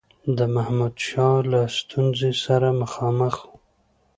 د محمودشاه له ستونزي سره مخامخ وو.